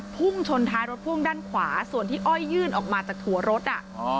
พุ่งชนท้ายรถพ่วงด้านขวาส่วนที่อ้อยยื่นออกมาจากถั่วรถ